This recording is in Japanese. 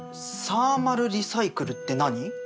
サーマルリサイクルって何？